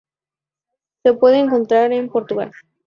Se puede encontrar en Portugal.